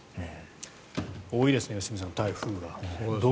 多いですね、良純さん台風が。